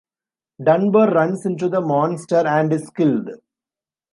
Dunbar runs into the monster and is killed.